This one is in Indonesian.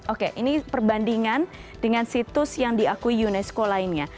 oke ini perbandingan dengan situs yang diakui unesco lainnya